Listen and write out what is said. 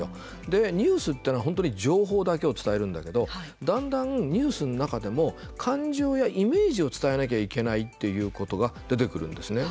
で、ニュースっていうのは本当は情報だけを伝えるんだけどだんだんニュースの中でも感情やイメージを伝えなきゃいけないっていうことが出てくるんですね。